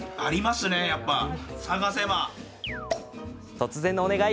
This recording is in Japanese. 突然のお願い